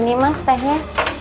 ini mas tehnya